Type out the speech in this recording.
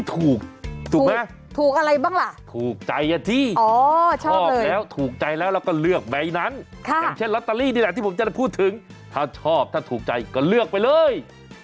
ถูกถูกไหมถูกอะไรบ้างล่ะถูกใจอ่ะที่ชอบแล้วถูกใจแล้วแล้วก็เลือกใบนั้นอย่างเช่นลอตเตอรี่นี่แหละที่ผมจะได้พูดถึงถ้าชอบถ้าถูกใจก็เลือกไปเลย